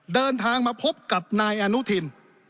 เดินทางมาพบกับนายอนุทิน